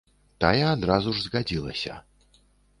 Тая адразу ж згадзілася.